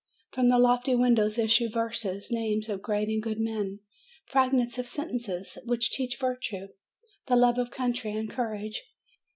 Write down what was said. From the lofty windows issue verses, names of great and good men, fragments of sentences which teach virtue, the love of country, and courage.